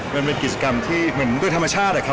มันเป็นกิจกรรมที่ด้วยธรรมชาติครับ